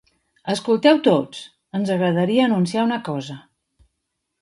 Escolteu tots, ens agradaria anunciar una cosa.